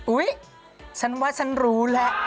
อุ๊ยฉันว่าฉันรู้แหละ